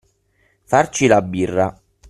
Farci la birra.